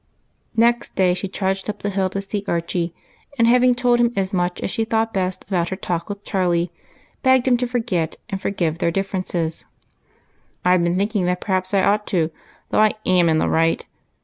Next day she trudged up the hill to see Archie, and having told him as much as she thought best about her talk with Charlie, begged him to forget and for give. " I 've been thinking that perhaps I ought to, though I «m in the right.